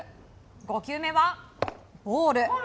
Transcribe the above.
５球目はボール。